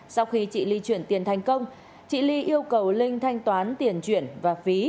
sau khi chị ly chuyển tiền thành công chị ly yêu cầu linh thanh toán tiền chuyển và phí